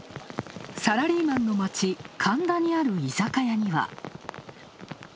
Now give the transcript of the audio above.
サラリーマンの街・神田にある居酒屋には。